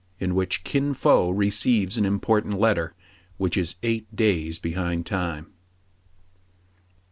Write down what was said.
IN WHICH KIN FO RECEIVES AN IMPORTANT LET TER, WHICH IS EIGHT DAYS BEHIND TIME.